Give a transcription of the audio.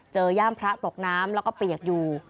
ย่ามพระตกน้ำแล้วก็เปียกอยู่